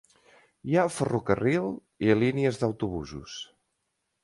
Hi ha ferrocarril i línies d'autobusos.